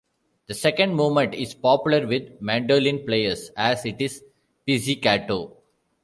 The second movement is popular with mandolin players as it is pizzicato.